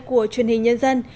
của truyền hình nhân dân